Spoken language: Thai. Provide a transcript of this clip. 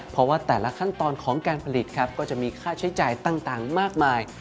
เพราะว่าแต่ละขั้นตอนของการผลิตครับก็จะมีค่าใช้จ่ายต่างมากมาย